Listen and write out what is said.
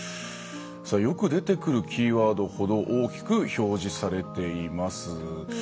よく出てくるキーワードほど大きく表示されています。